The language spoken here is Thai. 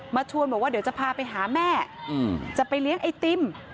ชวนบอกว่าเดี๋ยวจะพาไปหาแม่จะไปเลี้ยงไอติม